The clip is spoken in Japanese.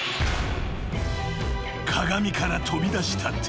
［鏡から飛び出した手］